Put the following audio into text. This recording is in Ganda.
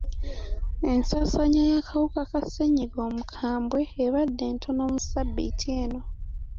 Ensaasaanya y'akawuka ka ssenyigga omukambwe ebadde ntono mu ssabbiiti eno.